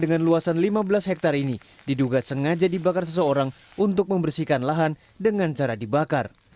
dengan luasan lima belas hektare ini diduga sengaja dibakar seseorang untuk membersihkan lahan dengan cara dibakar